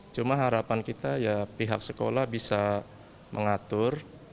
cuma harapan kita ya pihak sekolah bisa mengatur